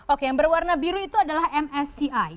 oke yang berwarna biru itu adalah msci